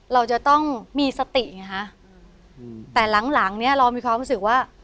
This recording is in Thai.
เราจะต้องมีสติไงฮะแต่หลังหลังเนี้ยเรามีความรู้สึกว่า